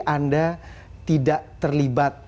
anda tidak terlibat